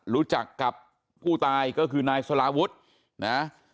รู้จักกับผู้ตายก็คือนายสลาวุฒินะ